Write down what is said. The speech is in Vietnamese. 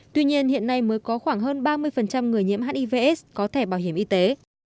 tuy nhiên hiện nay mới có khoảng hơn ba mươi người nhiễm hiv aids có thể bảo hiểm y tế